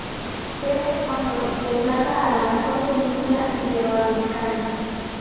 Premio Cóndor de Plata a la mejor película iberoamericana.